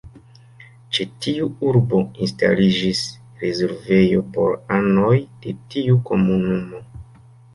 Ĉe tiu urbo instaliĝis rezervejo por anoj de tiu komunumo.